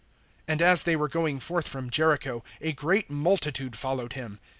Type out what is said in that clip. (29)And as they were going forth from Jericho, a great multitude followed him.